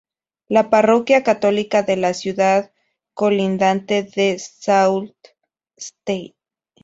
La parroquia católica de la ciudad colindante de Sault Ste.